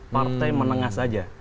partai menengah saja